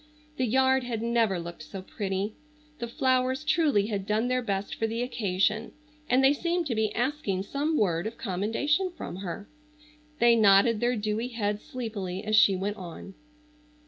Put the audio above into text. The yard had never looked so pretty. The flowers truly had done their best for the occasion, and they seemed to be asking some word of commendation from her. They nodded their dewy heads sleepily as she went on.